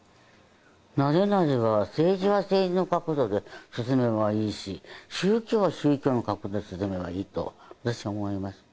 なぜならば政治は政治の角度で進めばいいし宗教は宗教の角度で進めばいいと私は思います